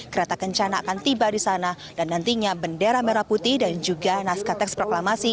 kereta kencana akan tiba di sana dan nantinya bendera merah putih dan juga naskah teks proklamasi